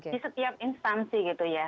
di setiap instansi gitu ya